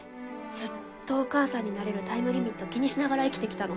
ずっとお母さんになれるタイムリミット気にしながら生きてきたの。